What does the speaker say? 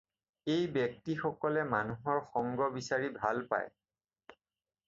এই ব্যক্তিসকলে মানুহৰ সংগ বিচাৰি ভাল পায়।